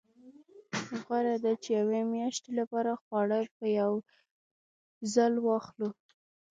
غوره ده چې د یوې میاشتې لپاره خواړه په یو ځل واخلو.